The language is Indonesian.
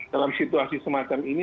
dalam situasi semacam ini